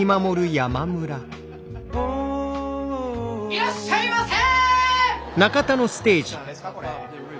いらっしゃいませ！